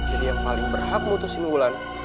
jadi yang paling berhak memutuskan wulannya